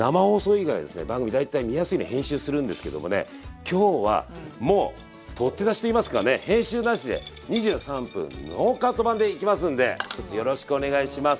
番組大体見やすいように編集するんですけどもね今日はもう撮って出しといいますかね編集なしで２３分ノーカット版でいきますんでひとつよろしくお願いします。